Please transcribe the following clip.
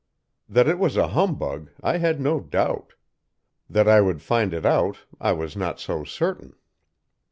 That it was a humbug, I had no doubt; that I would find it out, I was not so certain.